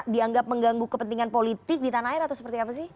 dianggap mengganggu kepentingan politik di tanah air atau seperti apa sih